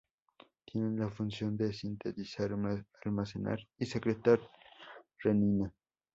Tienen la función de sintetizar, almacenar y secretar renina.